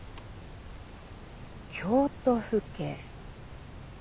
京都府警。